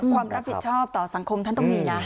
ความรับผิดชอบต่อสังคมทั้งตรงนี้นะ